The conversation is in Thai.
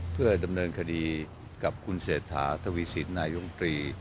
เพื่อดำเนินคดีกับคุณเศรษฐาทวีสินนายมตรี